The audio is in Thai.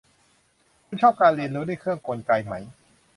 คุณชอบการเรียนรู้ด้วยเครื่องกลไกไหม